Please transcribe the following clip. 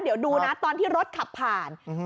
เดี๋ยวดูนะตอนที่รถขับผ่าน